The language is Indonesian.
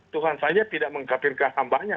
tuhan saja tidak mengkapirkan hamba hanya